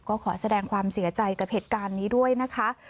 ก็ขอแสดงความเสียใจกับเหตุการณ์นี้ด้วยนะคะ